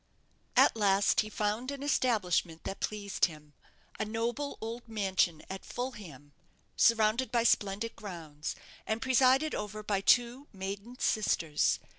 At last he found an establishment that pleased him; a noble old mansion at Fulham, surrounded by splendid grounds, and presided over by two maiden sisters.